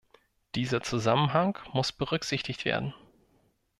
Dieser Zusammenhang muss berücksichtigt werden.